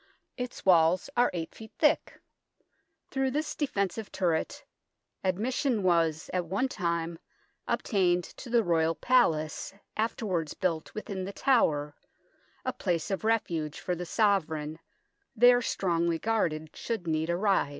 Its walls are 8 ft. thick. Through this defensive turret admission was at one time obtained to the Royal Palace afterwards built within The Tower, a place of refuge for the Sovereign, there strongly guarded, should need arise.